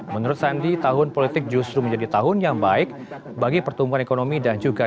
menurut sandi tahun politik justru menang